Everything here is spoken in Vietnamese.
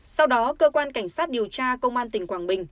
sau đó cơ quan cảnh sát điều tra công an tỉnh quảng bình